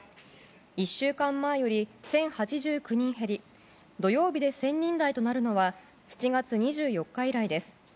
１週間前より１０８９人減り土曜日で１０００人台となるのは７月２４日以来です。